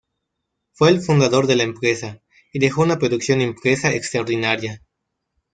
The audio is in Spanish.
Fue el fundador de la empresa y dejó una producción impresa extraordinaria.